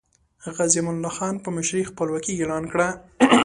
غازی امان الله خان په مشرۍ خپلواکي اعلان کړه.